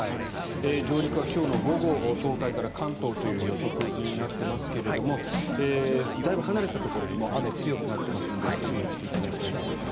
上陸は今日の午後東海から関東という予測になっていますがだいぶ離れたところでも雨が強くなってますので注意していただきたいと思います。